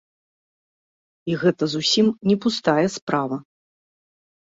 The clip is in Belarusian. І гэта зусім не пустая справа.